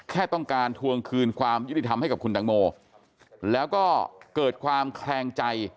แค่ต้องการทวงคืนความยุติธรรมให้กับคุณตังโมแล้วก็เกิดความแคลงใจ